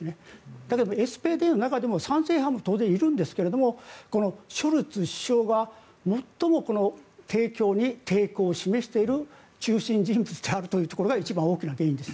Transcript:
だけどＳＰＤの中でも賛成派も当然いるんですがショルツ首相が最も提供に抵抗を示している中心人物であるというところが一番大きな原因です。